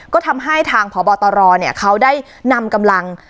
ก็ทำให้ทางพบตรเขาได้นำกำลัง